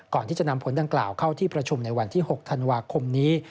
ก่อนที่จะนำผลดังกล่าวเข้าที่ประชุมในวันที่๖ธันวาคมนี้